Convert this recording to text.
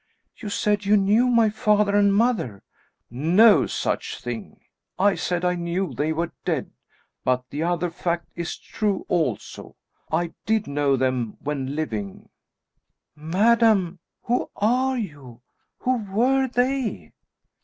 "You said you knew my father and mother." "No such thing! I said I knew they were dead, but the other fact is true also; I did know them when living!" "Madame, who are you? Who were they?"